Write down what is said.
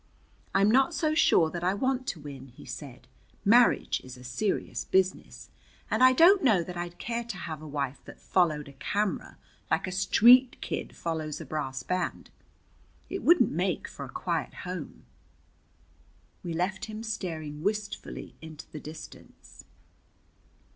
"I'm not so sure that I want to win," he said. "Marriage is a serious business, and I don't know that I'd care to have a wife that followed a camera like a street kid follows a brass band. It wouldn't make for a quiet home." We left him staring wistfully into the distance.